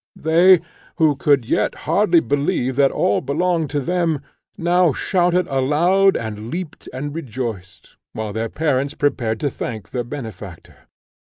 They, who could yet hardly believe that all belonged to them, now shouted aloud, and leaped, and rejoiced; while their parents prepared to thank their benefactor.